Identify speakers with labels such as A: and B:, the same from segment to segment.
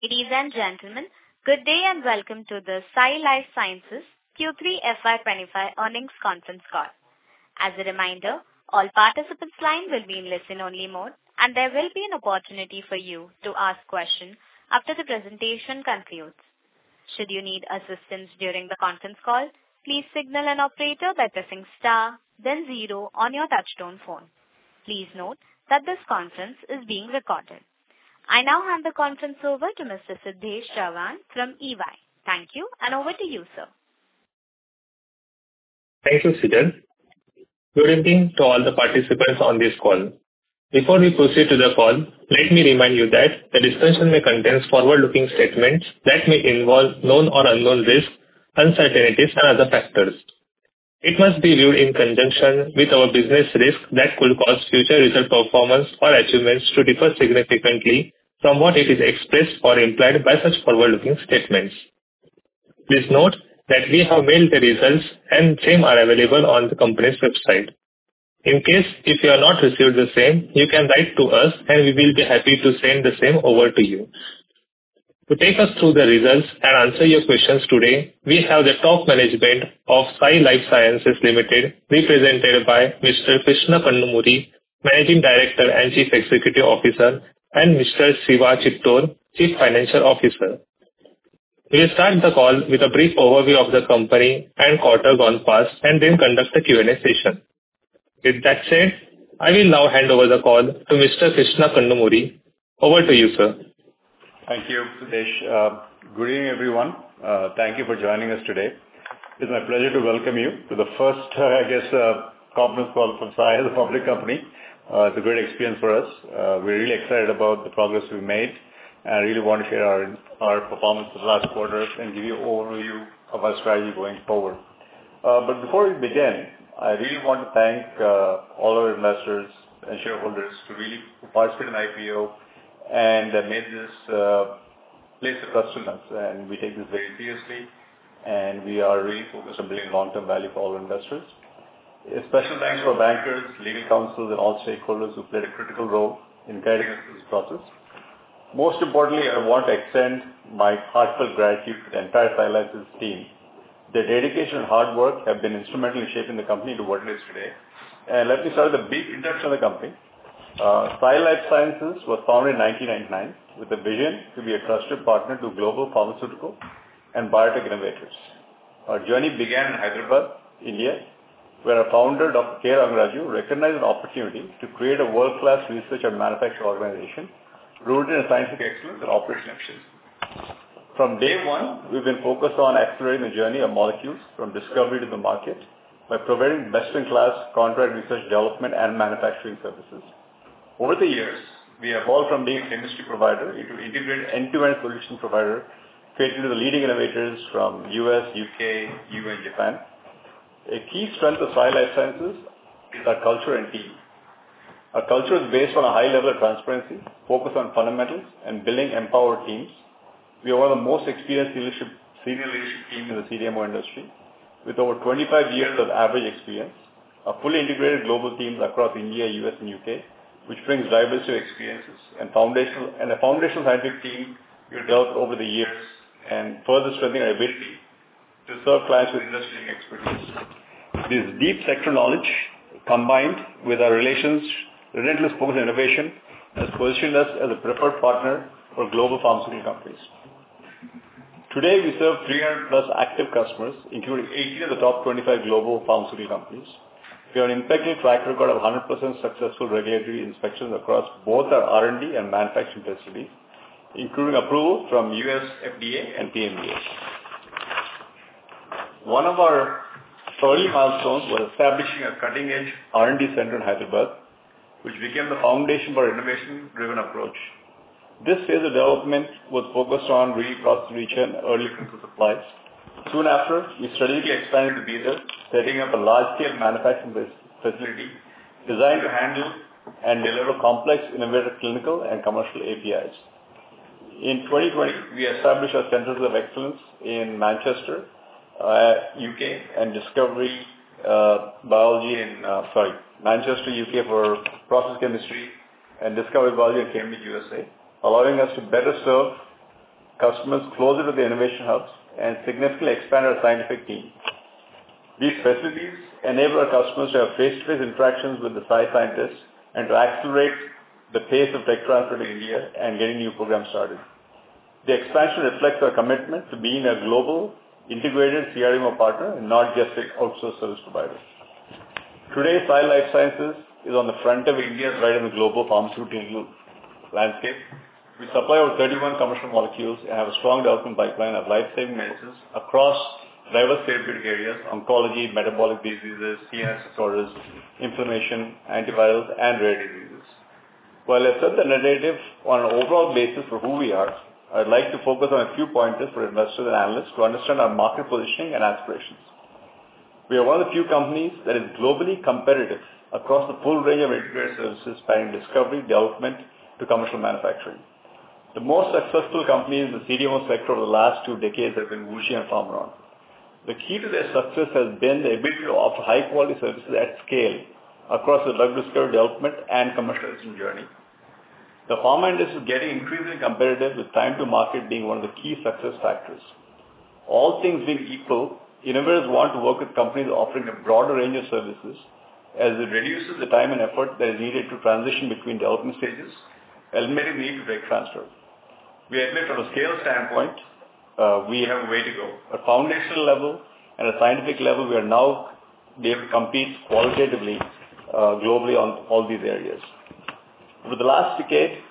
A: Ladies and gentlemen, good day and welcome to the Sai Life Sciences Q3 FY 2025 earnings conference call. As a reminder, all participants' lines will be in listen-only mode, and there will be an opportunity for you to ask questions after the presentation concludes. Should you need assistance during the conference call, please signal an operator by pressing star, then zero on your touch-tone phone. Please note that this conference is being recorded. I now hand the conference over to Mr. Siddesh Chawan from EY. Thank you, and over to you, sir.
B: Thank you, Sejal. Good evening to all the participants on this call. Before we proceed to the call, let me remind you that the discussion may contain forward-looking statements that may involve known or unknown risks, uncertainties, and other factors. It must be viewed in conjunction with our business risk that could cause future result performance or achievements to differ significantly from what it is expressed or implied by such forward-looking statements. Please note that we have mailed the results, and same are available on the company's website. In case you have not received the same, you can write to us, and we will be happy to send the same over to you. To take us through the results and answer your questions today, we have the top management of Sai Life Sciences Limited, represented by Mr. Krishna Kanumuri, Managing Director and Chief Executive Officer, and Mr. Siva Chittor, Chief Financial Officer. We will start the call with a brief overview of the company and quarter gone past, and then conduct a Q&A session. With that said, I will now hand over the call to Mr. Krishna Kanumuri. Over to you, sir.
C: Thank you, Siddesh. Good evening, everyone. Thank you for joining us today. It's my pleasure to welcome you to the first, I guess, conference call from Sai, the public company. It's a great experience for us. We're really excited about the progress we've made, and I really want to share our performance for the last quarter and give you an overview of our strategy going forward. But before we begin, I really want to thank all our investors and shareholders who really participated in the IPO and made this possible for us. And we take this very seriously, and we are really focused on bringing long-term value for all investors. Special thanks to our bankers, legal counselors, and all stakeholders who played a critical role in guiding us through this process. Most importantly, I want to extend my heartfelt gratitude to the entire Sai Life Sciences team. Their dedication and hard work have been instrumental in shaping the company to what it is today. And let me start with a brief introduction of the company. Sai Life Sciences was founded in 1999 with a vision to be a trusted partner to global pharmaceutical and biotech innovators. Our journey began in Hyderabad, India, where our founder, Dr. K. Ranga Raju, recognized an opportunity to create a world-class research and manufacturing organization rooted in scientific excellence and operational excellence. From day one, we've been focused on accelerating the journey of molecules from discovery to the market by providing best-in-class contract research development and manufacturing services. Over the years, we have evolved from being a chemistry provider into an integrated end-to-end solution provider catering to the leading innovators from the U.S., U.K., E.U., and Japan. A key strength of Sai Life Sciences is our culture and team. Our culture is based on a high level of transparency, focus on fundamentals, and building empowered teams. We are one of the most experienced senior leadership teams in the CDMO industry, with over 25 years of average experience, a fully integrated global team across India, U.S., and U.K., which brings diversity of experiences and a foundational scientific team we've developed over the years, and further strengthening our ability to serve clients with industry-leading expertise. This deep sector knowledge, combined with our relations, relentless focus on innovation, has positioned us as a preferred partner for global pharmaceutical companies. Today, we serve 300+ active customers, including 18 of the top 25 global pharmaceutical companies. We have an impeccable track record of 100% successful regulatory inspections across both our R&D and manufacturing facilities, including approval from U.S. FDA and PMDA. One of our early milestones was establishing a cutting-edge R&D center in Hyderabad, which became the foundation for our innovation-driven approach. This phase of development was focused on ready products to reach early clinical supplies. Soon after, we strategically expanded to Bidar, setting up a large-scale manufacturing facility designed to handle and deliver complex, innovative clinical and commercial APIs. In 2020, we established our centers of excellence in Manchester, U.K. for process chemistry, and discovery biology in Cambridge, U.S.A., allowing us to better serve customers closer to the innovation hubs and significantly expand our scientific team. These facilities enable our customers to have face-to-face interactions with the Sai scientists and to accelerate the pace of tech transfer to India and getting new programs started. The expansion reflects our commitment to being a global, integrated CRMO partner and not just an outsourced service provider. Today, Sai Life Sciences is on the forefront of India's rising in the global pharmaceutical landscape. We supply over 31 commercial molecules and have a strong development pipeline of lifesaving medicines across diverse therapeutic areas: oncology, metabolic diseases, CNS disorders, inflammation, antivirals, and rare diseases. While I've said the narrative on an overall basis for who we are, I'd like to focus on a few pointers for investors and analysts to understand our market positioning and aspirations. We are one of the few companies that is globally competitive across the full range of integrated services spanning discovery, development, to commercial manufacturing. The most successful companies in the CDMO sector over the last two decades have been WuXi and Pharmaron. The key to their success has been their ability to offer high-quality services at scale across the drug discovery, development, and commercialization journey. The pharma industry is getting increasingly competitive, with time-to-market being one of the key success factors. All things being equal, innovators want to work with companies offering a broader range of services, as it reduces the time and effort that is needed to transition between development stages, eliminating the need for direct transfer. We admit, from a scale standpoint, we have a way to go. At foundational level and at scientific level, we are now able to compete qualitatively globally on all these areas. Over the last decade,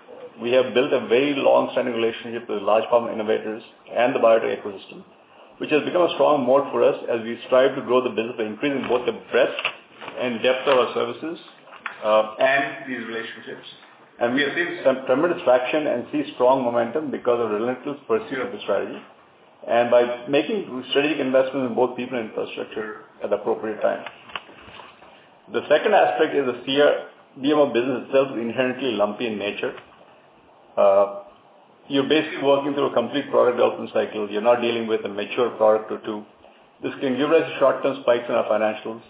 C: we have built a very long-standing relationship with large pharma innovators and the biotech ecosystem, which has become a strong moat for us as we strive to grow the business by increasing both the breadth and depth of our services and these relationships. And we have seen some tremendous traction and see strong momentum because of relentless pursuit of the strategy and by making strategic investments in both people and infrastructure at appropriate times. The second aspect is the CRMO business itself is inherently lumpy in nature. You're basically working through a complete product development cycle. You're not dealing with a mature product or two. This can give rise to short-term spikes in our financials.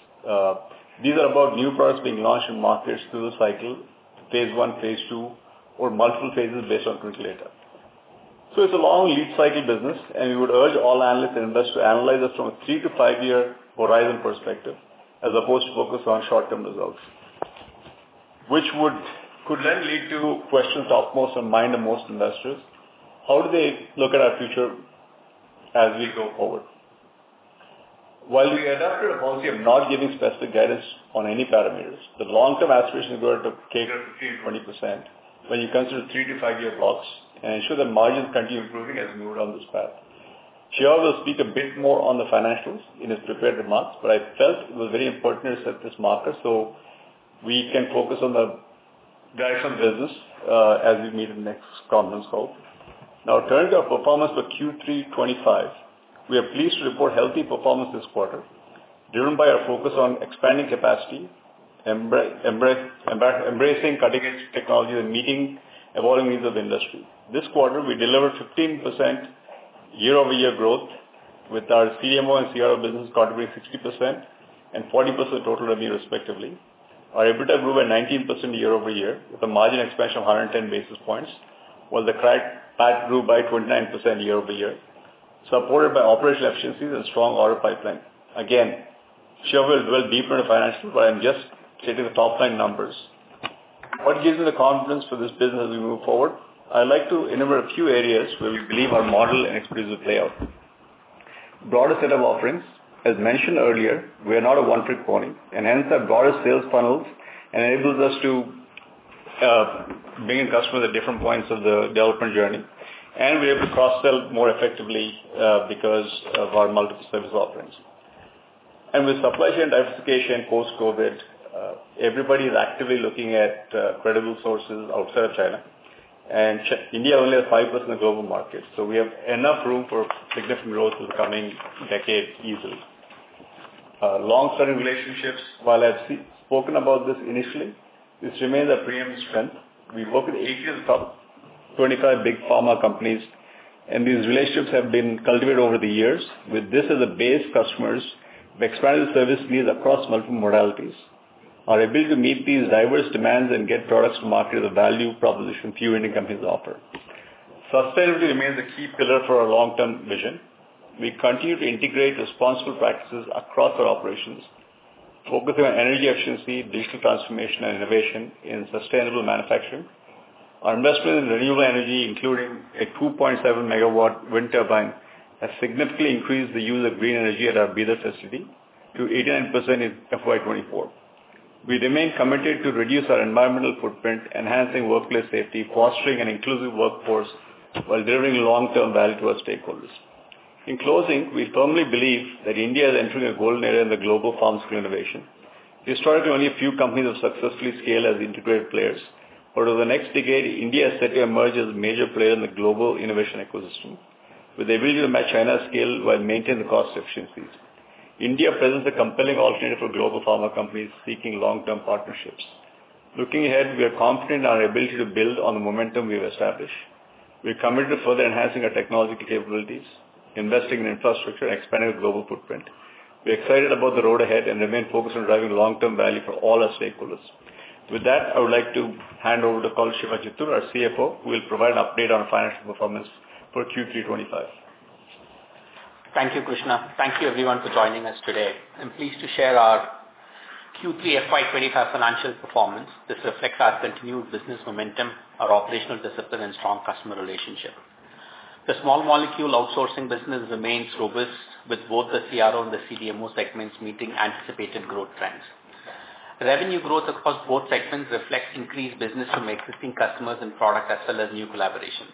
C: These are about new products being launched in markets through the cycle, phase I, phase II, or multiple phases based on quick data. So it's a long lead cycle business, and we would urge all analysts and investors to analyze us from a three-to-five-year horizon perspective as opposed to focus on short-term results, which could then lead to questions that most analysts and most investors. How do they look at our future as we go forward? While we adopted a policy of not giving specific guidance on any parameters, the long-term aspiration is growing to cater to 15%-20% when you consider three-to-five-year blocks and ensure that margins continue improving as we move down this path. Siva will speak a bit more on the financials in his prepared remarks, but I felt it was very important to set this marker so we can focus on the direction of business as we meet the next conference call. Now, turning to our performance for Q3 2025, we are pleased to report healthy performance this quarter, driven by our focus on expanding capacity, embracing cutting-edge technologies, and meeting evolving needs of the industry. This quarter, we delivered 15% year-over-year growth with our CDMO and CRMO business contributing 60% and 40% of total revenue, respectively. Our EBITDA grew by 19% year-over-year with a margin expansion of 110 basis points, while the PAT grew by 29% year-over-year, supported by operational efficiencies and a strong order pipeline. Again, Siva will delve deeper into financials, but I'm just stating the top-line numbers. What gives me the confidence for this business as we move forward? I'd like to enumerate a few areas where we believe our model and expertise will play out. Broader set of offerings. As mentioned earlier, we are not a one-trick pony, and hence our broader sales funnels enable us to bring in customers at different points of the development journey. And we're able to cross-sell more effectively because of our multiple service offerings. And with supply chain diversification post-COVID, everybody is actively looking at credible sources outside of China. India only has 5% of the global market, so we have enough room for significant growth in the coming decade easily. Long-standing relationships. While I've spoken about this initially, this remains our preeminent strength. We work with 80 of the top 25 big pharma companies, and these relationships have been cultivated over the years. With this as a base, customers' expanded service needs across multiple modalities are able to meet these diverse demands and get products to market at the value proposition fewer Indian companies offer. Sustainability remains a key pillar for our long-term vision. We continue to integrate responsible practices across our operations, focusing on energy efficiency, digital transformation, and innovation in sustainable manufacturing. Our investment in renewable energy, including a 2.7 MW wind turbine, has significantly increased the use of green energy at our Bidar facility to 89% in FY 2024. We remain committed to reduce our environmental footprint, enhancing workplace safety, fostering an inclusive workforce, while delivering long-term value to our stakeholders. In closing, we firmly believe that India is entering a golden era in the global pharmaceutical innovation. Historically, only a few companies have successfully scaled as integrated players. But over the next decade, India is set to emerge as a major player in the global innovation ecosystem, with the ability to match China's scale while maintaining the cost efficiencies. India presents a compelling alternative for global pharma companies seeking long-term partnerships. Looking ahead, we are confident in our ability to build on the momentum we've established. We're committed to further enhancing our technological capabilities, investing in infrastructure, and expanding our global footprint. We're excited about the road ahead and remain focused on driving long-term value for all our stakeholders. With that, I would like to hand over to Siva Chittor, our CFO, who will provide an update on financial performance for Q3 2025.
D: Thank you, Krishna. Thank you, everyone, for joining us today. I'm pleased to share our Q3 FY 2025 financial performance. This reflects our continued business momentum, our operational discipline, and strong customer relationship. The small-molecule outsourcing business remains robust, with both the CRO and the CDMO segments meeting anticipated growth trends. Revenue growth across both segments reflects increased business from existing customers and products, as well as new collaborations.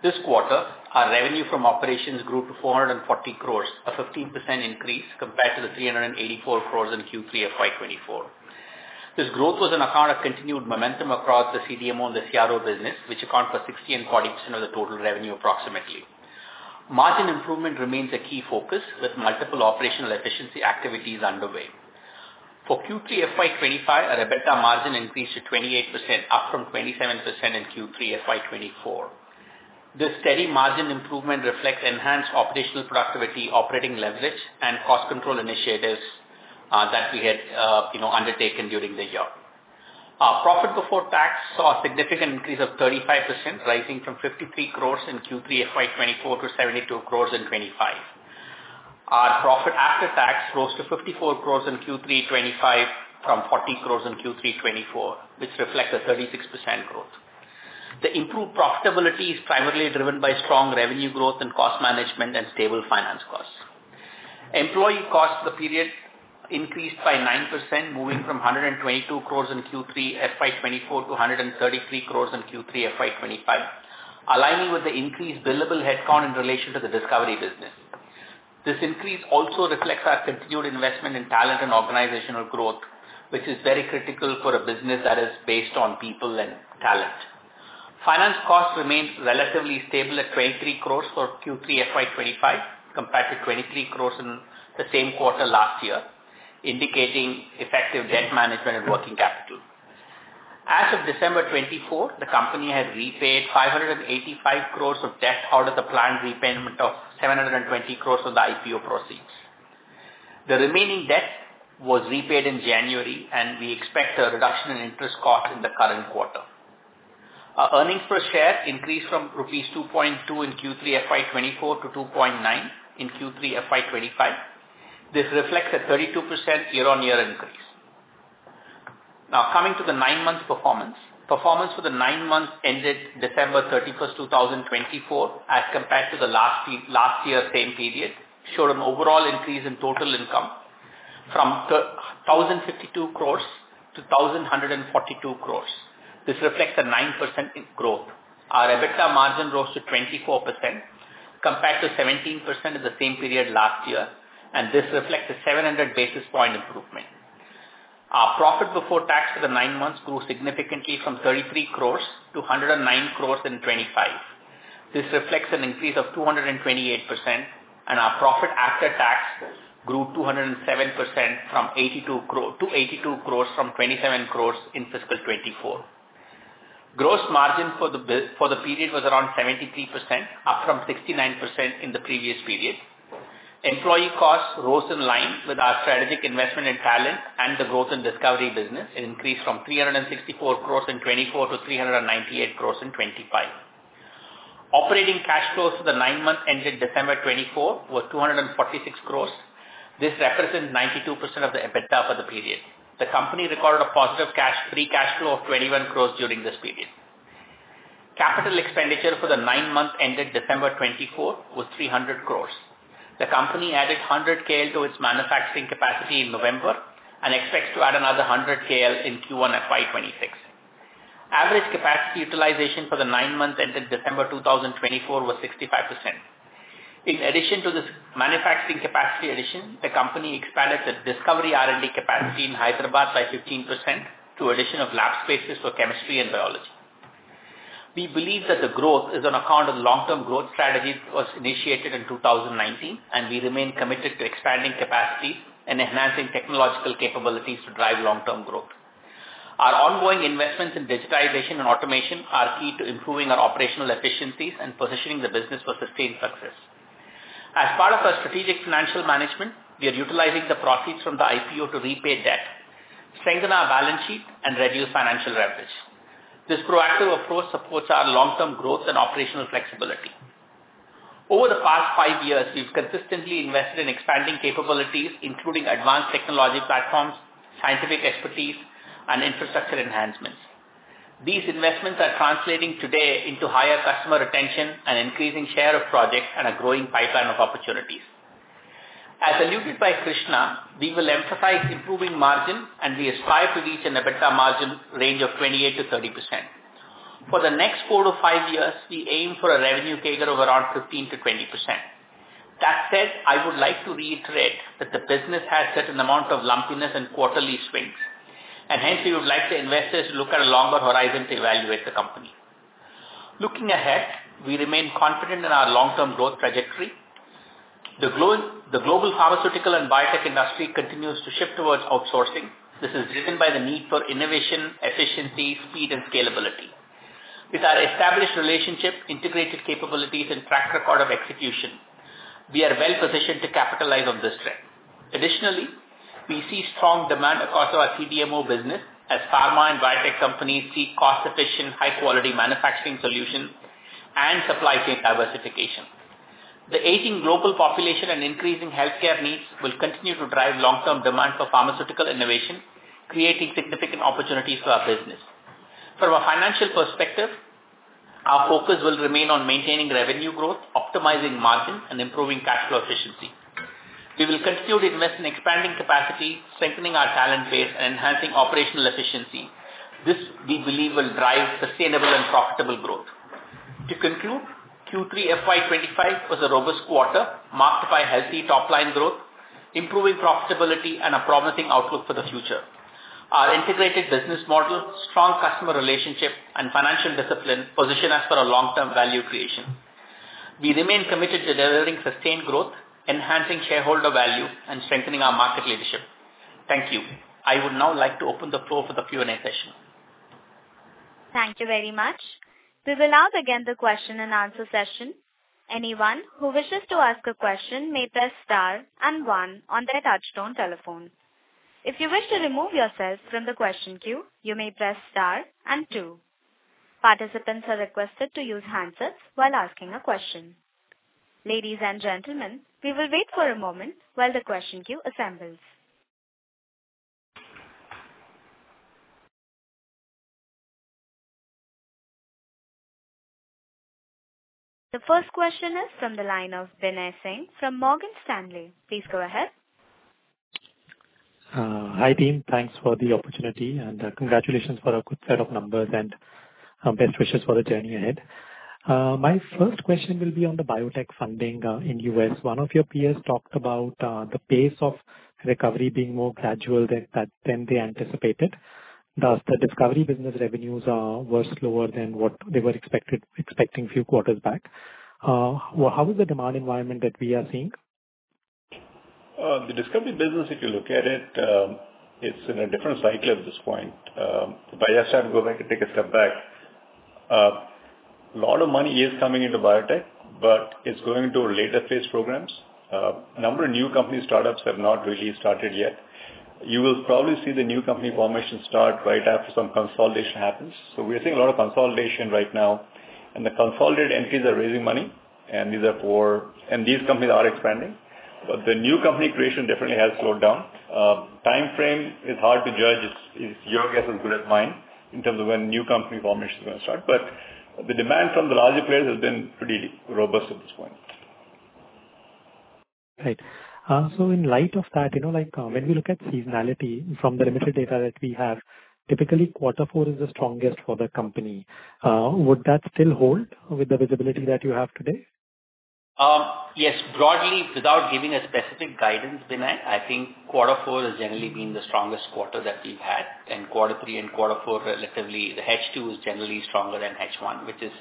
D: This quarter, our revenue from operations grew to 440 crore, a 15% increase compared to the 384 crore in Q3 FY 2024. This growth was on account of continued momentum across the CDMO and the CRO business, which account for 60% and 40% of the total revenue approximately. Margin improvement remains a key focus, with multiple operational efficiency activities underway. For Q3 FY 2025, our EBITDA margin increased to 28%, up from 27% in Q3 FY 2024. This steady margin improvement reflects enhanced operational productivity, operating leverage, and cost control initiatives that we had undertaken during the year. Our profit before tax saw a significant increase of 35%, rising from 53 crore in Q3 FY 2024 to 72 crore in 2025. Our profit after tax rose to 54 crore in Q3 2025 from 40 crore in Q3 2024, which reflects a 36% growth. The improved profitability is primarily driven by strong revenue growth and cost management and stable finance costs. Employee costs for the period increased by 9%, moving from 122 crore in Q3 FY 2024 to 133 crore in Q3 FY 2025, aligning with the increased billable headcount in relation to the discovery business. This increase also reflects our continued investment in talent and organizational growth, which is very critical for a business that is based on people and talent. Finance costs remained relatively stable at 23 crore for Q3 FY 2025 compared to 23 crore in the same quarter last year, indicating effective debt management and working capital. As of December 2024, the company had repaid 585 crore of debt out of the planned repayment of 720 crore of the IPO proceeds. The remaining debt was repaid in January, and we expect a reduction in interest costs in the current quarter. Our earnings per share increased from rupees 2.2 in Q3 FY 2024 to 2.9 in Q3 FY 2025. This reflects a 32% year-on-year increase. Now, coming to the nine-month performance for the nine month ended December 31st, 2024, as compared to the last year's same period, showed an overall increase in total income from 1,052 crore to 1,142 crore. This reflects a 9% growth. Our EBITDA margin rose to 24% compared to 17% in the same period last year, and this reflects a 700 basis point improvement. Our profit before tax for the nine month grew significantly from 33 crore to 109 crore in 2025. This reflects an increase of 228%, and our profit after tax grew 207% from 27 crore to 82 crore in fiscal 2024. Gross margin for the period was around 73%, up from 69% in the previous period. Employee costs rose in line with our strategic investment in talent and the growth in discovery business. It increased from 364 crore in 2024 to 398 crore in 2025. Operating cash flows for the nine month ended December 2024 were 246 crore. This represents 92% of the EBITDA for the period. The company recorded a positive free cash flow of 21 crore during this period. Capital expenditure for the nine months ended December 2024 was 300 crore. The company added 100 kL to its manufacturing capacity in November and expects to add another 100 kL in Q1 FY 2026. Average capacity utilization for the nine month ended December 2024 was 65%. In addition to this manufacturing capacity addition, the company expanded the discovery R&D capacity in Hyderabad by 15% through addition of lab spaces for chemistry and biology. We believe that the growth is on account of the long-term growth strategy that was initiated in 2019, and we remain committed to expanding capacities and enhancing technological capabilities to drive long-term growth. Our ongoing investments in digitization and automation are key to improving our operational efficiencies and positioning the business for sustained success. As part of our strategic financial management, we are utilizing the proceeds from the IPO to repay debt, strengthen our balance sheet, and reduce financial leverage. This proactive approach supports our long-term growth and operational flexibility. Over the past five years, we've consistently invested in expanding capabilities, including advanced technology platforms, scientific expertise, and infrastructure enhancements. These investments are translating today into higher customer retention and increasing share of projects and a growing pipeline of opportunities. As alluded by Krishna, we will emphasize improving margin, and we aspire to reach an EBITDA margin range of 28%-30%. For the next four to five years, we aim for a revenue CAGR of around 15%-20%. That said, I would like to reiterate that the business has a certain amount of lumpiness and quarterly swings, and hence we would like the investors to look at a longer horizon to evaluate the company. Looking ahead, we remain confident in our long-term growth trajectory. The global pharmaceutical and biotech industry continues to shift towards outsourcing. This is driven by the need for innovation, efficiency, speed, and scalability. With our established relationship, integrated capabilities, and track record of execution, we are well-positioned to capitalize on this trend. Additionally, we see strong demand across our CDMO business as pharma and biotech companies seek cost-efficient, high-quality manufacturing solutions and supply chain diversification. The aging global population and increasing healthcare needs will continue to drive long-term demand for pharmaceutical innovation, creating significant opportunities for our business. From a financial perspective, our focus will remain on maintaining revenue growth, optimizing margins, and improving cash flow efficiency. We will continue to invest in expanding capacity, strengthening our talent base, and enhancing operational efficiency. This, we believe, will drive sustainable and profitable growth. To conclude, Q3 FY 2025 was a robust quarter marked by healthy top-line growth, improving profitability, and a promising outlook for the future. Our integrated business model, strong customer relationship, and financial discipline position us for long-term value creation. We remain committed to delivering sustained growth, enhancing shareholder value, and strengthening our market leadership. Thank you. I would now like to open the floor for the Q&A session.
A: Thank you very much. We will now begin the question and answer session. Anyone who wishes to ask a question may press star and one on their touch-tone telephone. If you wish to remove yourself from the question queue, you may press star and two. Participants are requested to use handsets while asking a question. Ladies and gentlemen, we will wait for a moment while the question queue assembles. The first question is from the line of Binay Singh from Morgan Stanley. Please go ahead.
E: Hi team. Thanks for the opportunity and congratulations for a good set of numbers and best wishes for the journey ahead. My first question will be on the biotech funding in the U.S. One of your peers talked about the pace of recovery being more gradual than they anticipated. Does the discovery business revenues were slower than what they were expecting a few quarters back? How is the demand environment that we are seeing?
C: The discovery business, if you look at it, it's in a different cycle at this point. If I just have to go back and take a step back, a lot of money is coming into biotech, but it's going to later phase programs. A number of new company startups have not really started yet. You will probably see the new company formation start right after some consolidation happens. So we're seeing a lot of consolidation right now, and the consolidated entities are raising money, and these are poor, and these companies are expanding. But the new company creation definitely has slowed down. Time frame is hard to judge. It's your guess as good as mine in terms of when new company formation is going to start. But the demand from the larger players has been pretty robust at this point.
E: Right. So in light of that, when we look at seasonality from the limited data that we have, typically quarter four is the strongest for the company. Would that still hold with the visibility that you have today?
D: Yes. Broadly, without giving a specific guidance, Binay, I think quarter four has generally been the strongest quarter that we've had, and quarter three and quarter four, relatively, the H2 is generally stronger than H1, which is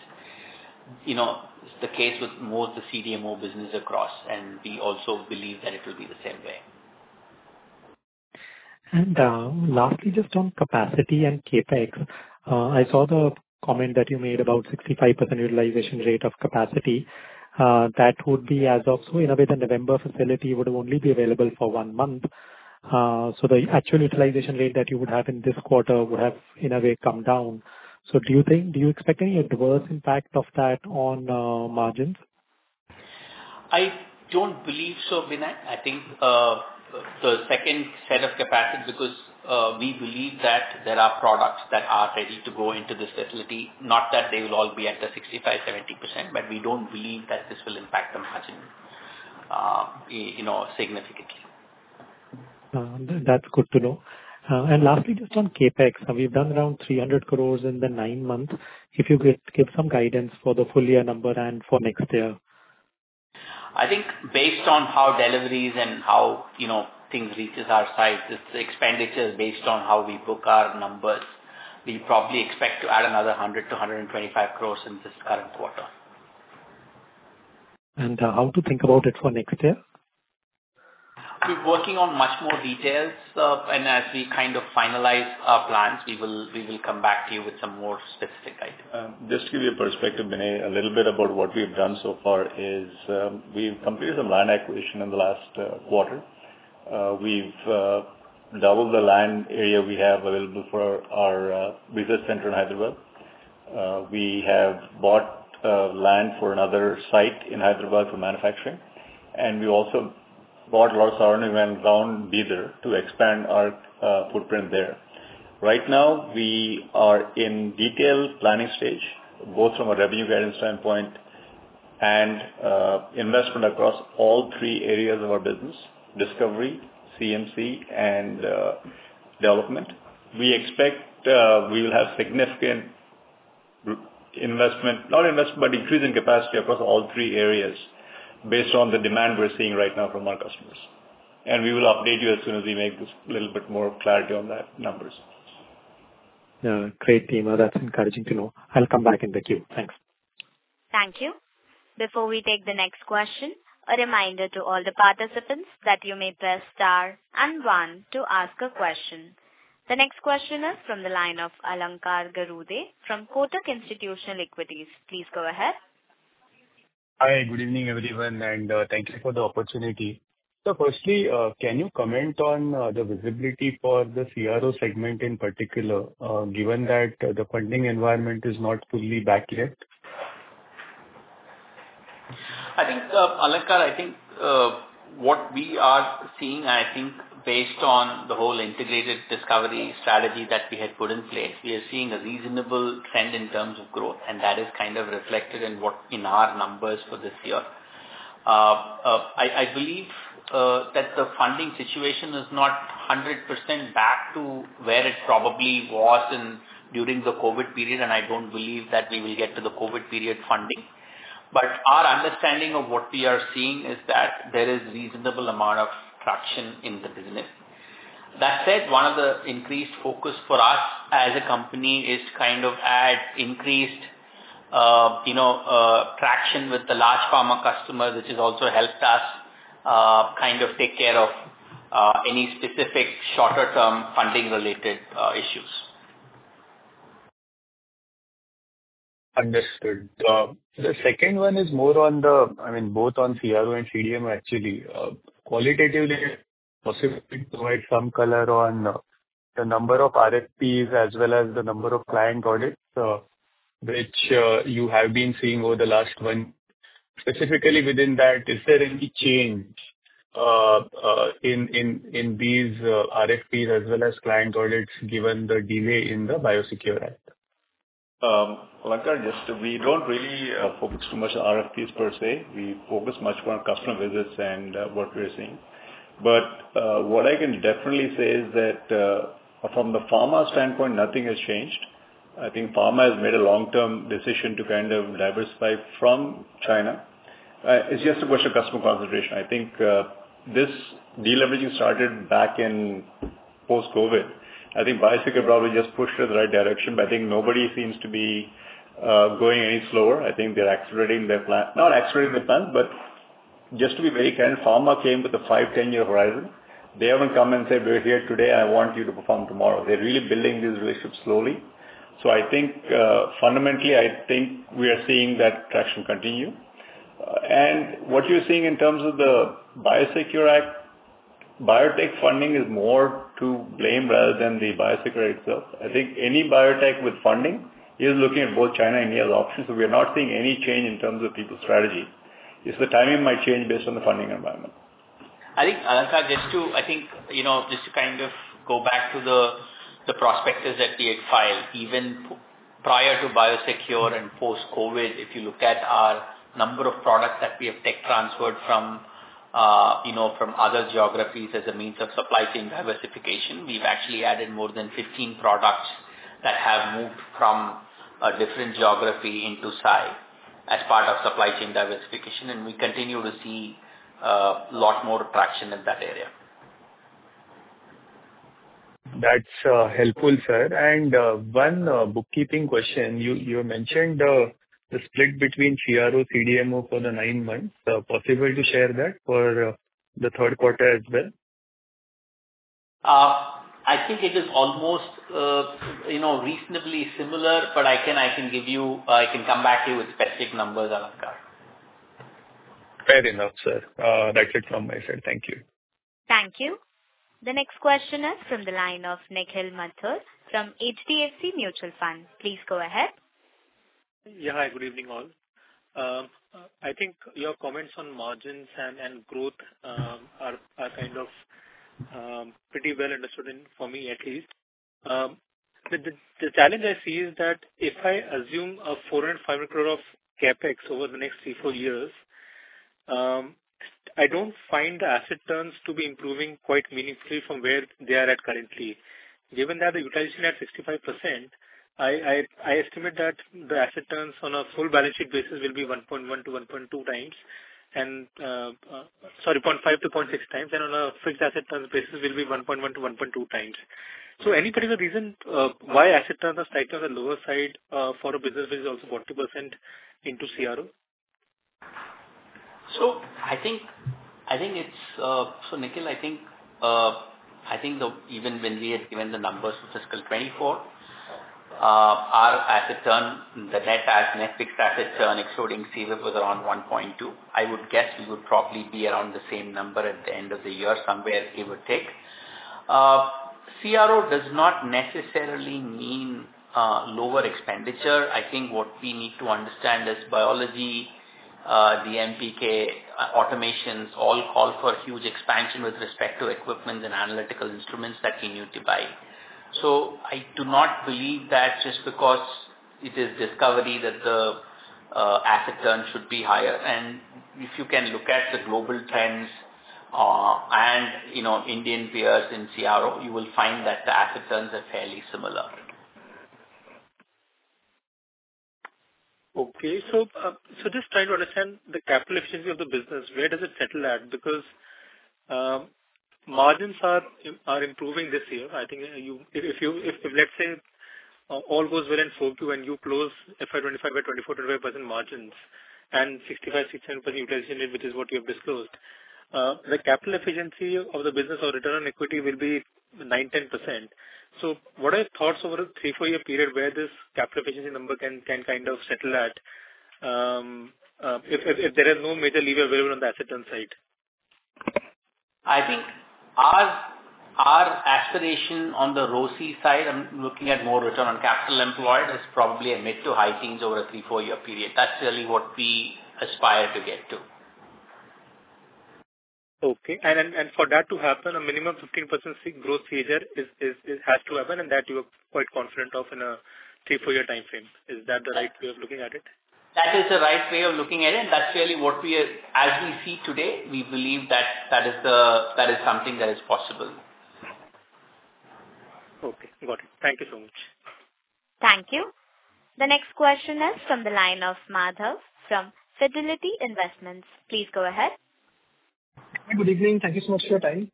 D: the case with most of the CDMO business across, and we also believe that it will be the same way.
E: Lastly, just on capacity and CapEx, I saw the comment that you made about 65% utilization rate of capacity. That would be, as of so innovative November facility would only be available for one month. So the actual utilization rate that you would have in this quarter would have, in a way, come down. So do you expect any adverse impact of that on margins?
D: I don't believe so, Binay. I think the second set of capacity, because we believe that there are products that are ready to go into this facility, not that they will all be at the 65%-70%, but we don't believe that this will impact the margin significantly.
E: That's good to know. And lastly, just on CapEx, we've done around 300 crore in the nine-month. If you could give some guidance for the full year number and for next year.
D: I think based on how deliveries and how things reach our site, this expenditure is based on how we book our numbers. We probably expect to add another 100 crore-125 crore in this current quarter.
E: How to think about it for next year?
D: We're working on much more details, and as we kind of finalize our plans, we will come back to you with some more specific guidance.
C: Just to give you a perspective, Binay, a little bit about what we've done so far is we've completed some land acquisition in the last quarter. We've doubled the land area we have available for our business center in Hyderabad. We have bought land for another site in Hyderabad for manufacturing, and we also bought a lot of surrounding ground buffer to expand our footprint there. Right now, we are in detailed planning stage, both from a revenue guidance standpoint and investment across all three areas of our business: discovery, CMC, and development. We expect we will have significant investment, not investment, but increase in capacity across all three areas based on the demand we're seeing right now from our customers. And we will update you as soon as we make this little bit more clarity on that numbers.
E: Great, [Team]. That's encouraging to know. I'll come back in the queue. Thanks.
A: Thank you. Before we take the next question, a reminder to all the participants that you may press Star and 1 to ask a question. The next question is from the line of Alankar Garude from Kotak Institutional Equities. Please go ahead.
F: Hi, good evening, everyone, and thank you for the opportunity. So firstly, can you comment on the visibility for the CRO segment in particular, given that the funding environment is not fully backed yet?
D: I think, Alankar, I think what we are seeing, I think based on the whole integrated discovery strategy that we had put in place, we are seeing a reasonable trend in terms of growth, and that is kind of reflected in our numbers for this year. I believe that the funding situation is not 100% back to where it probably was during the COVID period, and I don't believe that we will get to the COVID period funding. But our understanding of what we are seeing is that there is a reasonable amount of traction in the business. That said, one of the increased focus for us as a company is kind of an increased traction with the large pharma customers, which has also helped us kind of take care of any specific shorter-term funding-related issues.
F: Understood. The second one is more on the, I mean, both on CRO and CDMO, actually. Qualitatively, it provides some color on the number of RFPs as well as the number of client audits, which you have been seeing over the last one. Specifically within that, is there any change in these RFPs as well as client audits given the delay in the BIOSECURE Act?
C: Alankar, just we don't really focus too much on RFPs per se. We focus much more on customer visits and what we're seeing. But what I can definitely say is that from the pharma standpoint, nothing has changed. I think pharma has made a long-term decision to kind of diversify from China. It's just a question of customer concentration. I think this deleveraging started back in post-COVID. I think BIOSECURE probably just pushed it in the right direction, but I think nobody seems to be going any slower. I think they're accelerating their plan. Not accelerating their plan, but just to be very candid, pharma came with a five, 10-year horizon. They haven't come and said, "We're here today. I want you to perform tomorrow." They're really building these relationships slowly. So I think fundamentally, I think we are seeing that traction continue. And what you're seeing in terms of the BIOSECURE Act, biotech funding is more to blame rather than the BIOSECURE itself. I think any biotech with funding is looking at both China and India's options. So we are not seeing any change in terms of people's strategy. Just the timing might change based on the funding environment.
D: I think, Alankar, just to, I think just to kind of go back to the prospectus that we had filed, even prior to BIOSECURE and post-COVID, if you look at our number of products that we have tech transferred from other geographies as a means of supply chain diversification, we've actually added more than 15 products that have moved from a different geography into Sai as part of supply chain diversification, and we continue to see a lot more traction in that area.
F: That's helpful, sir. And one bookkeeping question. You mentioned the split between CRO, CDMO for the nine-month. Possible to share that for the third quarter as well?
D: I think it is almost reasonably similar, but I can give you. I can come back to you with specific numbers, Alankar.
F: Fair enough, sir. That's it from my side. Thank you.
A: Thank you. The next question is from the line of Nikhil Mathur from HDFC Mutual Fund. Please go ahead.
G: Yeah, hi. Good evening, all. I think your comments on margins and growth are kind of pretty well understood for me, at least. The challenge I see is that if I assume 400 crore-500 crore of CapEx over the next three, four years, I don't find the asset turns to be improving quite meaningfully from where they are at currently. Given that the utilization at 65%, I estimate that the asset turns on a full balance sheet basis will be 1.1x-1.2x, and sorry, 0.5x-0.6x, and on a fixed asset turns basis will be 1.1x-1.2x. So any particular reason why asset turns are stacked on the lower side for a business which is also 40% into CRO?
D: I think it's so Nikhil. I think even when we had given the numbers for fiscal 2024, our asset turn, the net asset, net fixed asset turn, excluding CWIP, was around 1.2. I would guess we would probably be around the same number at the end of the year, somewhere, give or take. CRO does not necessarily mean lower expenditure. I think what we need to understand is biology, the DMPK, automations, all call for huge expansion with respect to equipment and analytical instruments that we need to buy. I do not believe that just because it is discovery that the asset turn should be higher. If you can look at the global trends and Indian peers in CRO, you will find that the asset turns are fairly similar.
G: Okay. So just trying to understand the capital efficiency of the business, where does it settle at? Because margins are improving this year. I think if, let's say, all goes well in FY 2024 and you close FY 2025 by 24%-25% margins and 65%-67% utilization rate, which is what you have disclosed, the capital efficiency of the business or return on equity will be 9%-10%. So what are your thoughts over a three, four-year period where this capital efficiency number can kind of settle at if there is no major lever available on the asset turn side?
D: I think our aspiration on the ROCE side, I'm looking at more return on capital employed, is probably mid- to high-teens over a three- to four-year period. That's really what we aspire to get to.
G: Okay. And for that to happen, a minimum 15% growth figure has to happen, and that you are quite confident of in a three, four-year time frame. Is that the right way of looking at it?
D: That is the right way of looking at it, and that's really what we see today. We believe that that is something that is possible.
G: Okay. Got it. Thank you so much.
A: Thank you. The next question is from the line of Madhav from Fidelity Investments. Please go ahead.
H: Good evening. Thank you so much for your time.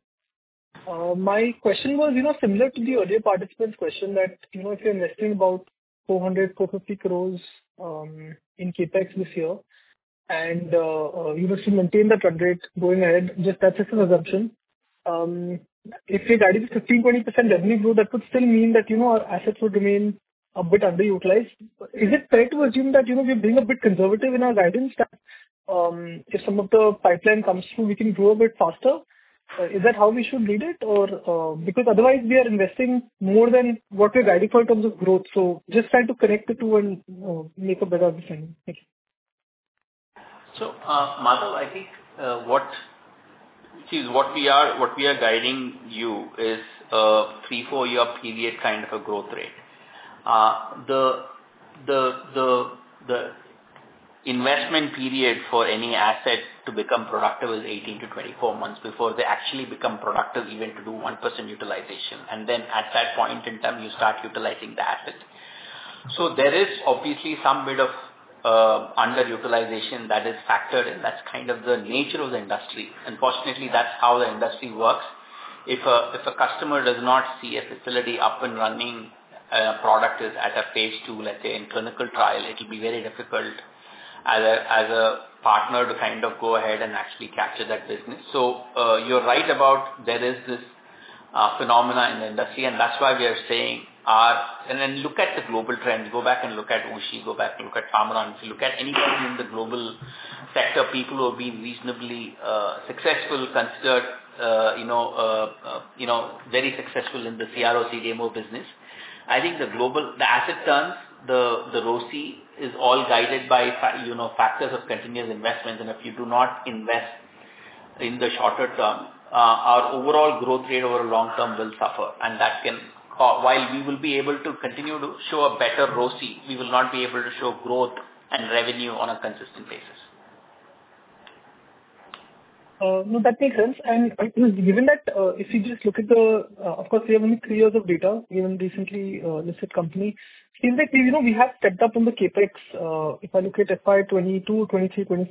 H: My question was similar to the earlier participant's question that if you're investing about 400 crore-450 crore in CapEx this year and you wish to maintain that rate going ahead, just that's just an assumption. If your guidance is 15%-20% revenue growth, that would still mean that our assets would remain a bit underutilized. Is it fair to assume that we're being a bit conservative in our guidance that if some of the pipeline comes through, we can grow a bit faster? Is that how we should read it? Because otherwise, we are investing more than what we're guiding for in terms of growth. So just trying to connect the two and make a better understanding. Thank you.
D: So Madhav, I think what we are guiding you is a three to four year period kind of a growth rate. The investment period for any asset to become productive is 18 to 24 months before they actually become productive, even to do 1% utilization. And then at that point in time, you start utilizing the asset. So there is obviously some bit of underutilization that is factored, and that's kind of the nature of the industry. Unfortunately, that's how the industry works. If a customer does not see a facility up and running, a product is at a phase II, let's say, in clinical trial, it'll be very difficult as a partner to kind of go ahead and actually capture that business. So you're right about there is this phenomenon in the industry, and that's why we are saying our and then look at the global trends. Go back and look at WuXi. Go back and look at Pharmaron. If you look at anybody in the global sector, people who have been reasonably successful, considered very successful in the CRO, CDMO business, I think the global asset turns, the ROCE is all guided by factors of continuous investment. And if you do not invest in the shorter term, our overall growth rate over a long term will suffer. And that can, while we will be able to continue to show a better ROCE, we will not be able to show growth and revenue on a consistent basis.
H: No, that makes sense, and given that if you just look at the, of course, we have only three years of data, we have a recently listed company. Seems like we have stepped up on the CapEx. If I look at FY 2022, FY 2023, FY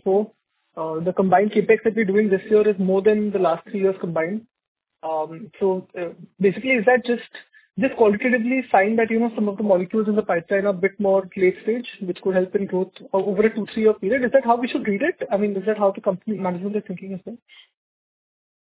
H: 2024, the combined CapEx that we're doing this year is more than the last three years combined. So basically, is that just a qualitative sign that some of the molecules in the pipeline are a bit more late stage, which could help in growth over a two, three-year period? Is that how we should read it? I mean, is that how the company management is thinking as well?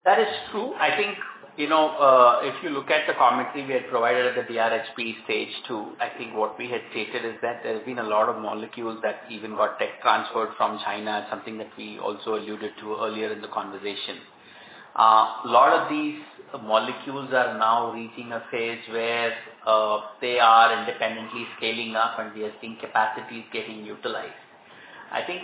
D: That is true. I think if you look at the commentary we had provided at the DRHP stage too, I think what we had stated is that there have been a lot of molecules that even got tech transferred from China, something that we also alluded to earlier in the conversation. A lot of these molecules are now reaching a phase where they are independently scaling up, and we are seeing capacity is getting utilized. I think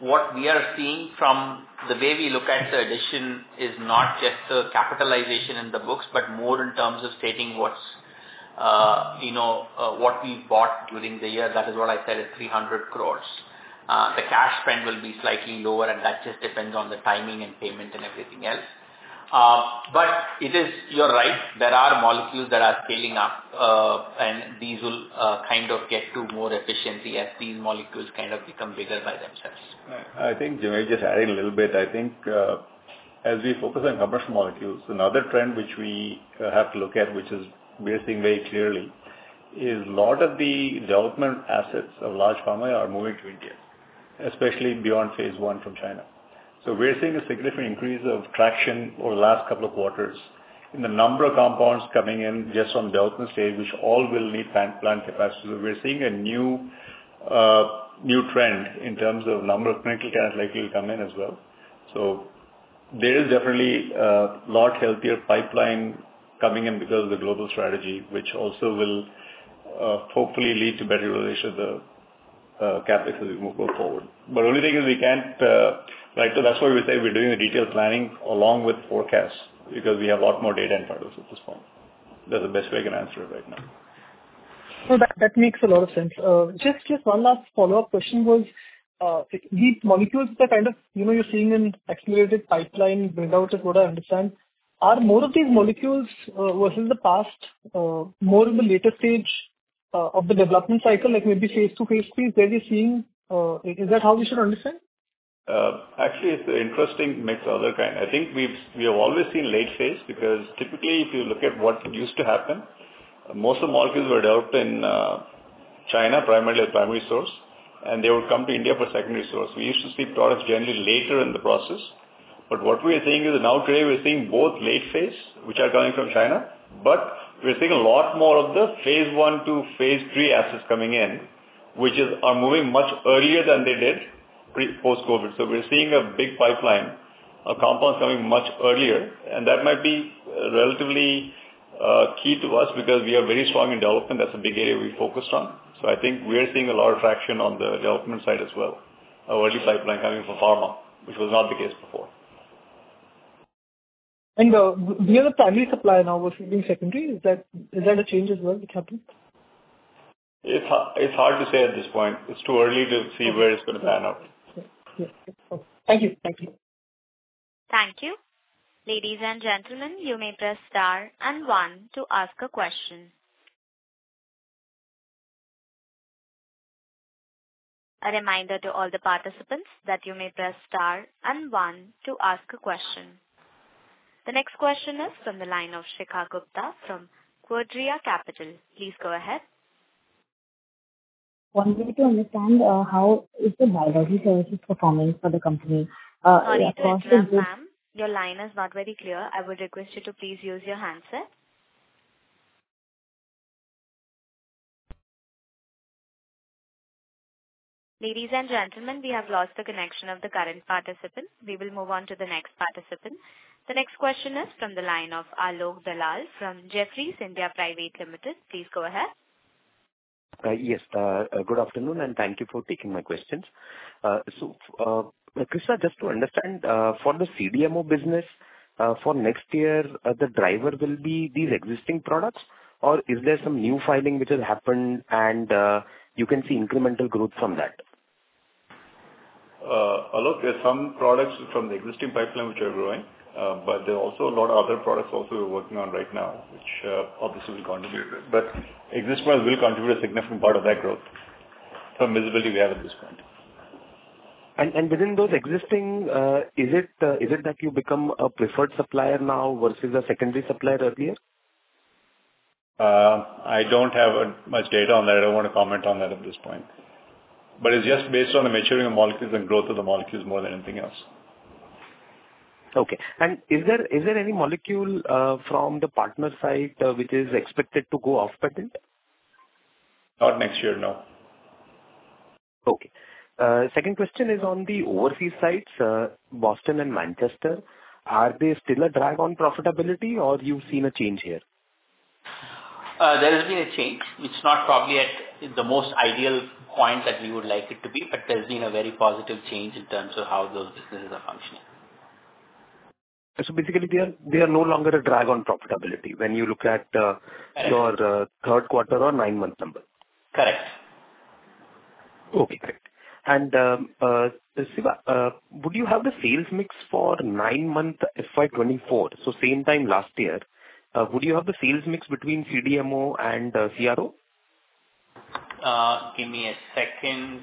D: what we are seeing from the way we look at the addition is not just the capitalization in the books, but more in terms of stating what we bought during the year. That is what I said, is 300 crore. The cash spend will be slightly lower, and that just depends on the timing and payment and everything else. But you're right. There are molecules that are scaling up, and these will kind of get to more efficiency as these molecules kind of become bigger by themselves.
C: I think, Madhav, just adding a little bit, I think as we focus on commercial molecules, another trend which we have to look at, which is we are seeing very clearly, is a lot of the development assets of large pharma are moving to India, especially beyond phase I from China. So we're seeing a significant increase of traction over the last couple of quarters in the number of compounds coming in just from development stage, which all will need plant capacity. So we're seeing a new trend in terms of number of clinical candidates likely to come in as well. So there is definitely a lot healthier pipeline coming in because of the global strategy, which also will hopefully lead to better utilization of the CapEx as we move forward. But the only thing is we can't right now, that's why we say we're doing the detailed planning along with forecasts because we have a lot more data in front of us at this point. That's the best way I can answer it right now.
H: Well, that makes a lot of sense. Just one last follow-up question was these molecules that kind of you're seeing in accelerated pipeline buildout is what I understand. Are more of these molecules versus the past more in the later stage of the development cycle, like maybe phase II, phase III, where we're seeing? Is that how we should understand?
C: Actually, it's an interesting mix of other kinds. I think we have always seen late phase because typically, if you look at what used to happen, most of the molecules were developed in China, primarily as primary source, and they would come to India for secondary source. We used to see products generally later in the process. But what we are seeing is now today, we're seeing both late phase, which are coming from China, but we're seeing a lot more of the phase I to phase III assets coming in, which are moving much earlier than they did post-COVID. So we're seeing a big pipeline of compounds coming much earlier. And that might be relatively key to us because we are very strong in development. That's a big area we focused on. So, I think we are seeing a lot of traction on the development side as well, an early pipeline coming for pharma, which was not the case before.
H: The primary supply now versus being secondary, is that a change as well which happened?
C: It's hard to say at this point. It's too early to see where it's going to pan out.
H: Thank you.
A: Thank you. Ladies and gentlemen, you may press star and one to ask a question. A reminder to all the participants that you may press star and one to ask a question. The next question is from the line of Shikha Gupta from Quadria Capital. Please go ahead.
I: Wanted to understand how is the biology services performing for the company?
A: Sorry to interrupt, ma'am, your line is not very clear. I would request you to please use your handset. Ladies and gentlemen, we have lost the connection of the current participant. We will move on to the next participant. The next question is from the line of Alok Dalal from Jefferies India Private Limited. Please go ahead.
J: Yes. Good afternoon, and thank you for taking my questions. So Krishna, just to understand, for the CDMO business for next year, the driver will be these existing products, or is there some new filing which has happened and you can see incremental growth from that?
C: Alok, there are some products from the existing pipeline which are growing, but there are also a lot of other products also we're working on right now, which obviously will contribute. But existing ones will contribute a significant part of that growth from visibility we have at this point.
J: Within those existing, is it that you become a preferred supplier now versus a secondary supplier earlier?
C: I don't have much data on that. I don't want to comment on that at this point. But it's just based on the maturing of molecules and growth of the molecules more than anything else.
J: Okay, and is there any molecule from the partner side which is expected to go off patent?
C: Not next year, no.
J: Okay. Second question is on the overseas side, Boston and Manchester, are they still a drag on profitability, or you've seen a change here?
D: There has been a change. It's not probably at the most ideal point that we would like it to be, but there's been a very positive change in terms of how those businesses are functioning.
J: So basically, they are no longer a drag on profitability when you look at your third quarter or nine-month number?
D: Correct.
J: Okay. Great. And Siva, would you have the sales mix for nine-month FY 2024? So same time last year, would you have the sales mix between CDMO and CRO?
D: Give me a second.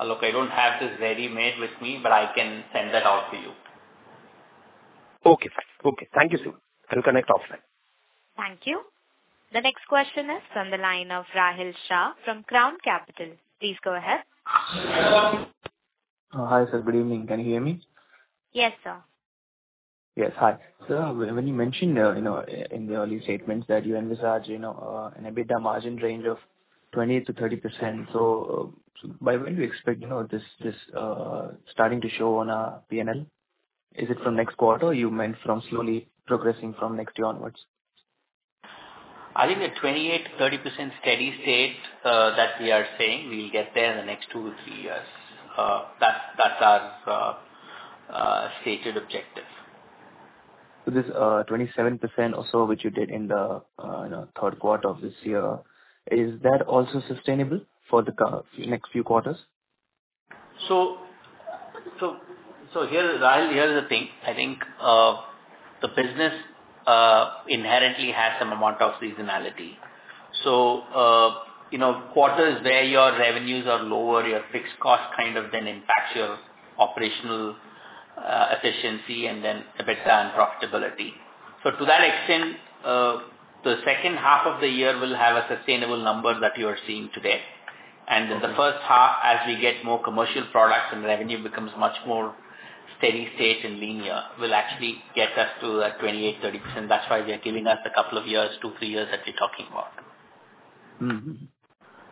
D: Alok, I don't have this ready made with me, but I can send that out to you.
J: Okay. Okay. Thank you, Siva. I'll connect offline.
A: Thank you. The next question is from the line of Rahil Shah from Crown Capital. Please go ahead.
K: Hi, sir. Good evening. Can you hear me?
A: Yes, sir.
K: Yes. Hi. Sir, when you mentioned in the earlier statements that you envisage an EBITDA margin range of 28%-30%, so by when do you expect this starting to show on a P&L? Is it from next quarter? You meant from slowly progressing from next year onwards?
D: I think a 28%-30% steady state that we are saying we'll get there in the next two to three years. That's our stated objective.
K: So this 27% or so which you did in the third quarter of this year, is that also sustainable for the next few quarters?
D: So here's the thing. I think the business inherently has some amount of seasonality. So quarters where your revenues are lower, your fixed cost kind of then impacts your operational efficiency and then EBITDA and profitability. So to that extent, the second half of the year will have a sustainable number that you are seeing today. And then the first half, as we get more commercial products and revenue becomes much more steady state and linear, will actually get us to that 28%-30%. That's why they're giving us a couple of years, two, three years that we're talking about.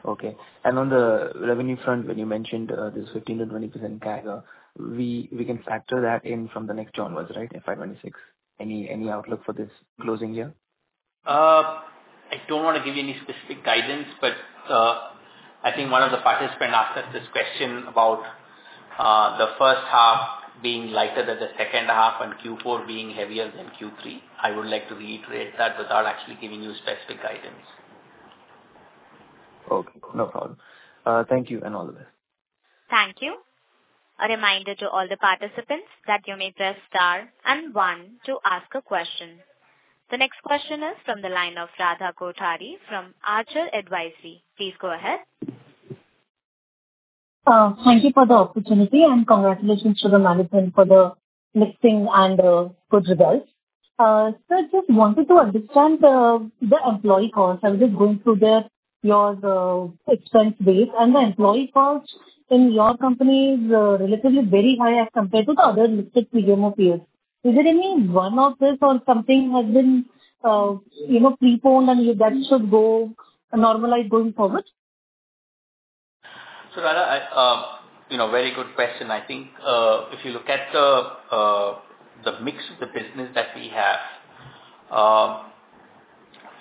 K: Okay. And on the revenue front, when you mentioned this 15%-20% CAGR, we can factor that in from the next year onwards, right, FY 2026? Any outlook for this closing year?
D: I don't want to give you any specific guidance, but I think one of the participants asked us this question about the first half being lighter than the second half and Q4 being heavier than Q3. I would like to reiterate that without actually giving you specific guidance.
K: Okay. No problem. Thank you and all the best.
A: Thank you. A reminder to all the participants that you may press star and one to ask a question. The next question is from the line of Radha Kothari from Archer Advisory. Please go ahead.
L: Thank you for the opportunity and congratulations to the management for the impressive and good results. Sir, I just wanted to understand the employee cost. I was just going through your expense base, and the employee cost in your company is relatively very high as compared to the other listed CDMO peers. Is there any runoff or something has been preponed and that should go normalize going forward?
D: Radha, very good question. I think if you look at the mix of the business that we have,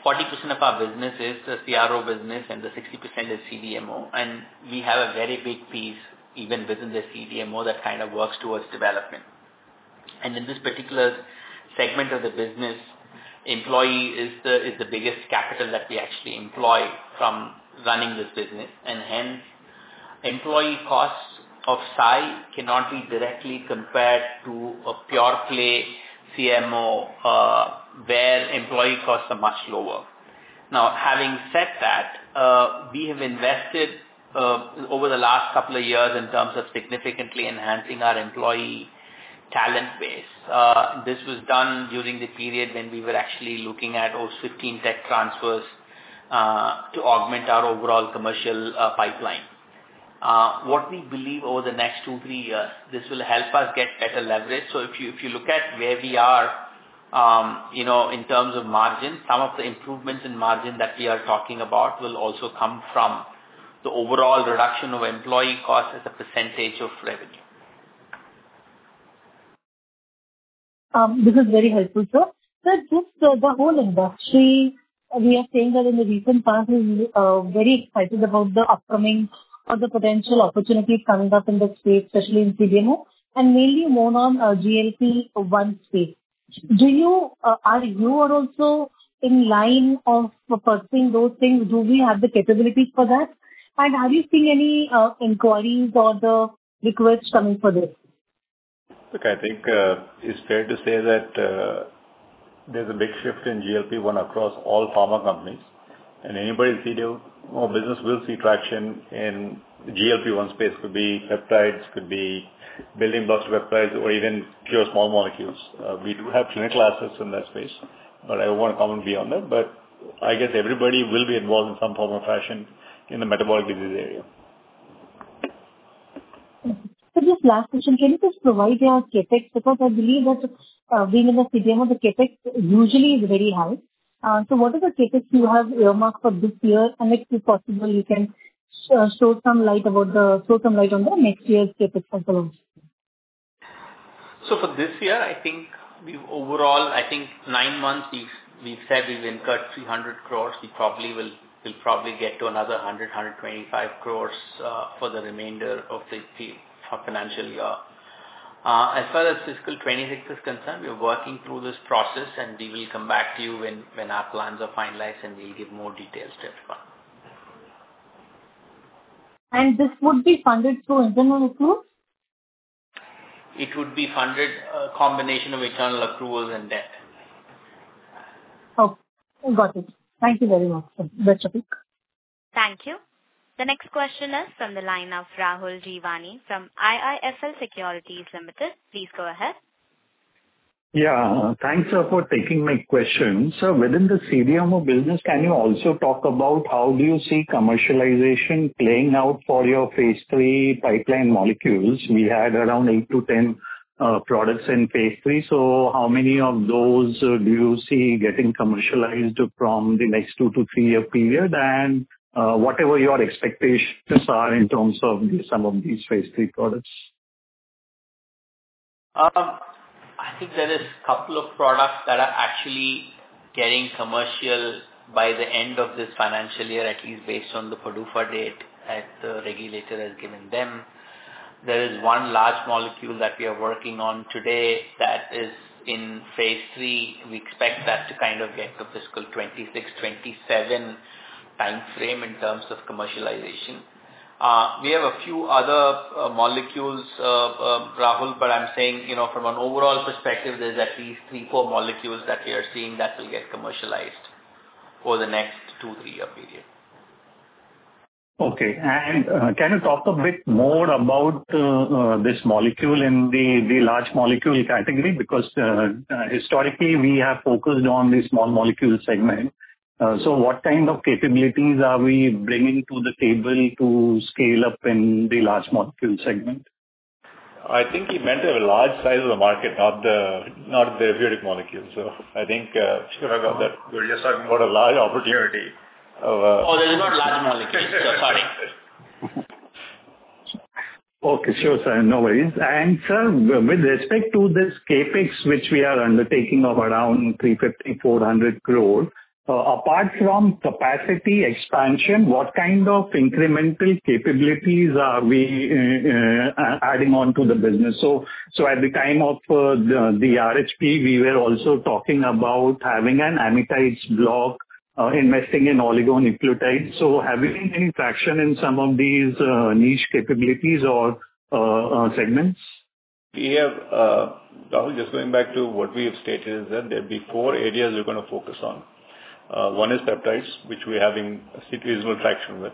D: 40% of our business is the CRO business and the 60% is CDMO. And we have a very big piece even within the CDMO that kind of works towards development. And in this particular segment of the business, employee is the biggest capital that we actually employ from running this business. And hence, employee costs of Sai cannot be directly compared to a pure-play CMO where employee costs are much lower. Now, having said that, we have invested over the last couple of years in terms of significantly enhancing our employee talent base. This was done during the period when we were actually looking at those 15 tech transfers to augment our overall commercial pipeline. What we believe over the next two, three years, this will help us get better leverage. So if you look at where we are in terms of margin, some of the improvements in margin that we are talking about will also come from the overall reduction of employee costs as a percentage of revenue.
L: This is very helpful, sir. Just the whole industry, we are saying that in the recent past, we're very excited about the upcoming or the potential opportunities coming up in the space, especially in CDMO, and mainly more on GLP-1 space. Are you also in line of pursuing those things? Do we have the capability for that? And have you seen any inquiries or the requests coming for this?
C: Look, I think it's fair to say that there's a big shift in GLP-1 across all pharma companies. Anybody in CDMO business will see traction in GLP-1 space. It could be peptides, it could be building blocks to peptides, or even pure small molecules. We do have clinical assets in that space, but I don't want to comment beyond that. Everybody will be involved in some form or fashion in the metabolic disease area.
L: Just last question. Can you just provide the CapEx? Because I believe that being in the CDMO, the CapEx usually is very high. So what is the CapEx you have earmarked for this year? And if possible, you can show some light on the next year's CapEx as well.
D: So for this year, I think overall, I think nine months, we've said we've incurred 300 crores. We'll probably get to another 100 crore-125 crore for the remainder of the financial year. As far as fiscal 2026 is concerned, we are working through this process, and we will come back to you when our plans are finalized and we'll give more details to everyone.
L: This would be funded through internal approvals?
D: It would be funded by a combination of internal accruals and debt.
L: Okay. Got it. Thank you very much, sir. Best of luck.
A: Thank you. The next question is from the line of Rahul Jeewani from IIFL Securities Limited. Please go ahead.
M: Yeah. Thanks for taking my question. So within the CDMO business, can you also talk about how do you see commercialization playing out for your phase III pipeline molecules? We had around eight to 10 products in phase III. So how many of those do you see getting commercialized from the next two to three-year period? And whatever your expectations are in terms of some of these phase III products.
D: I think there are a couple of products that are actually getting commercial by the end of this financial year, at least based on the PDUFA date that the regulator has given them. There is one large molecule that we are working on today that is in phase III. We expect that to kind of get to fiscal 2026, 2027 timeframe in terms of commercialization. We have a few other molecules, Rahul, but I'm saying from an overall perspective, there's at least three, four molecules that we are seeing that will get commercialized over the next two, three-year period.
M: Okay. And can you talk a bit more about this molecule in the large molecule category? Because historically, we have focused on the small molecule segment. So what kind of capabilities are we bringing to the table to scale up in the large molecule segment?
C: I think he meant a large size of the market, not the peptide molecules, so I think we're just talking about a large opportunity.
D: Oh, there's not large molecules. Sorry.
M: Okay. Sure, sir. No worries. And sir, with respect to this CapEx, which we are undertaking of around 350 crore-400 crore, apart from capacity expansion, what kind of incremental capabilities are we adding on to the business? So at the time of the RHP, we were also talking about having an amidites block, investing in oligonucleotides. So have you seen any traction in some of these niche capabilities or segments?
C: Yeah. I was just going back to what we have stated is that there are four areas we're going to focus on. One is peptides, which we are having a significant traction with.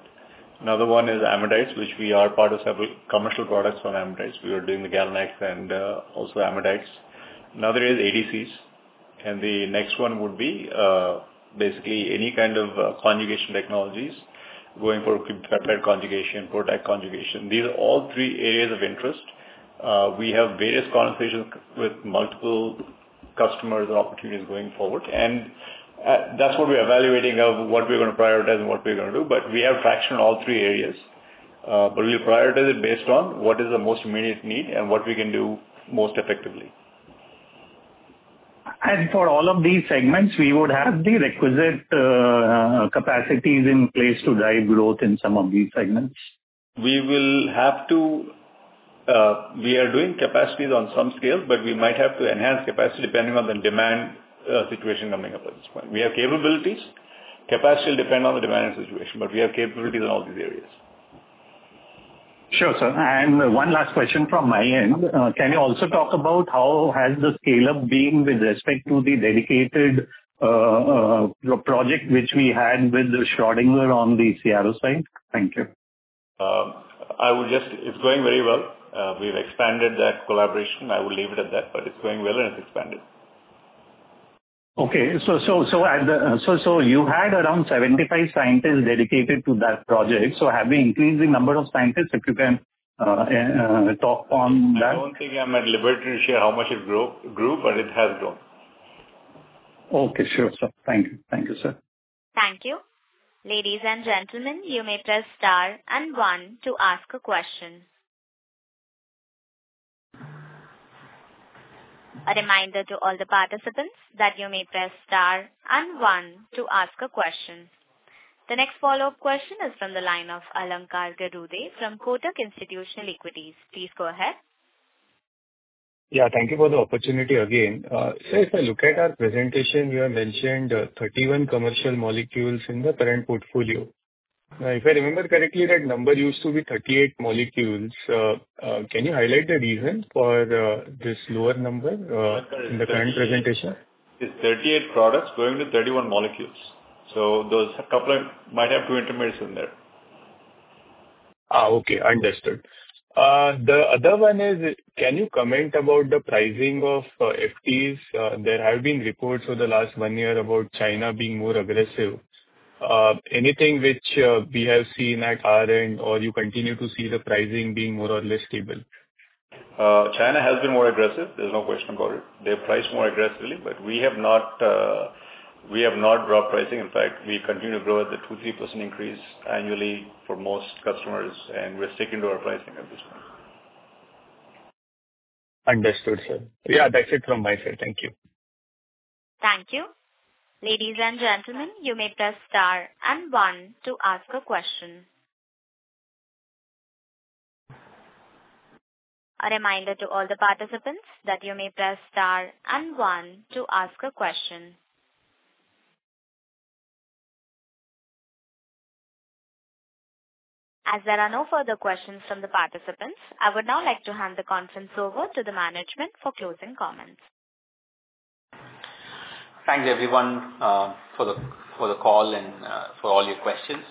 C: Another one is amidase, which we are part of several commercial products on amidase. We are doing the GalNAc and also amidase. Another is ADCs. And the next one would be basically any kind of conjugation technologies, going for peptide conjugation, protein conjugation. These are all three areas of interest. We have various conversations with multiple customers and opportunities going forward. And that's what we're evaluating of what we're going to prioritize and what we're going to do. But we have traction in all three areas. But we'll prioritize it based on what is the most immediate need and what we can do most effectively.
M: For all of these segments, we would have the requisite capacities in place to drive growth in some of these segments?
C: We will have to. We are doing capacities on some scale, but we might have to enhance capacity depending on the demand situation coming up at this point. We have capabilities. Capacity will depend on the demand situation. But we have capabilities in all these areas.
M: Sure, sir, and one last question from my end. Can you also talk about how has the scale-up been with respect to the dedicated project which we had with the Schrödinger on the CRO side? Thank you.
C: It's going very well. We've expanded that collaboration. I will leave it at that. But it's going well and it's expanded.
M: Okay. So you had around 75 scientists dedicated to that project. So have we increased the number of scientists if you can talk on that?
C: I don't think I'm at liberty to share how much it grew, but it has grown.
M: Okay. Sure, sir. Thank you. Thank you, sir.
A: Thank you. Ladies and gentlemen, you may press star and one to ask a question. A reminder to all the participants that you may press star and one to ask a question. The next follow-up question is from the line of Alankar Garude from Kotak Institutional Equities. Please go ahead.
F: Yeah. Thank you for the opportunity again. So if I look at our presentation, you have mentioned 31 commercial molecules in the current portfolio. Now, if I remember correctly, that number used to be 38 molecules. Can you highlight the reason for this lower number in the current presentation?
C: It's 38 products going to 31 molecules. So those couple might have two intermediates in there.
F: Okay. Understood. The other one is, can you comment about the pricing of FTEs? There have been reports over the last one year about China being more aggressive. Anything which we have seen at our end, or you continue to see the pricing being more or less stable?
C: China has been more aggressive. There's no question about it. They price more aggressively, but we have not dropped pricing. In fact, we continue to grow at the 2%-3% increase annually for most customers, and we're sticking to our pricing at this point.
F: Understood, sir. Yeah, that's it from my side. Thank you.
A: Thank you. Ladies and gentlemen, you may press star and one to ask a question. A reminder to all the participants that you may press star and one to ask a question. As there are no further questions from the participants, I would now like to hand the conference over to the management for closing comments.
D: Thank you, everyone, for the call and for all your questions.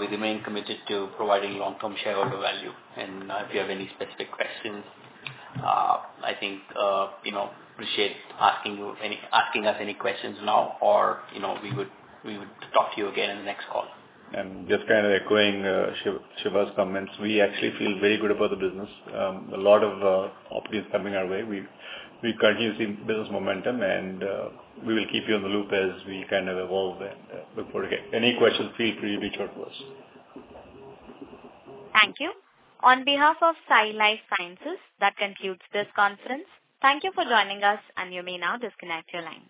D: We remain committed to providing long-term shareholder value, and if you have any specific questions, I think appreciate asking us any questions now, or we would talk to you again in the next call.
C: And just kind of echoing Siva's comments, we actually feel very good about the business. A lot of opportunities are coming our way. We continue to see business momentum, and we will keep you in the loop as we kind of evolve and look forward to it. Any questions, feel free to reach out to us.
A: Thank you. On behalf of Sai Life Sciences, that concludes this conference. Thank you for joining us, and you may now disconnect your line.